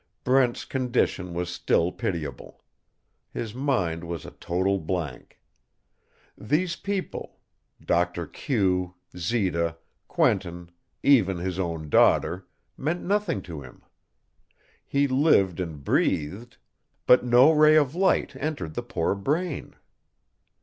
Brent's condition was still pitiable. His mind was a total blank. These people Doctor Q, Zita, Quentin, even his own daughter meant nothing to him. He lived and breathed. But no ray of light entered the poor brain.